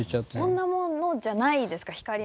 こんなものじゃないですか光の。